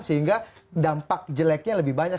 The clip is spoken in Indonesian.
sehingga dampak jeleknya lebih banyak